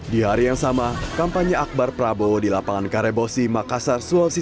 di hari yang sama kampanye akbar prabowo di lapangan karebosi makassar sulawesi